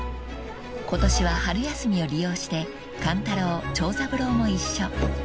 ［ことしは春休みを利用して勘太郎長三郎も一緒］